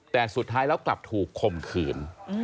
แต่สุดท้ายแล้วกลับถูกคมขืน